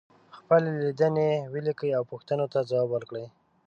خپلې لیدنې ولیکئ او پوښتنو ته ځواب ورکړئ.